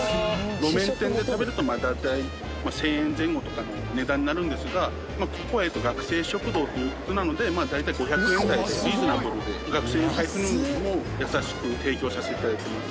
路面店で食べるとまあ大体１０００円前後とかの値段になるんですがここは学生食堂という事なので大体５００円ぐらいでリーズナブルで学生の財布にも優しく提供させて頂いてます。